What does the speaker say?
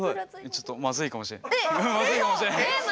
ちょっとまずいかもしれん。